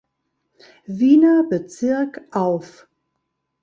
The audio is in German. Wiener Bezirk auf.